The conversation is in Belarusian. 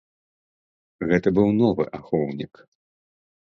Гэта быў новы ахоўнік.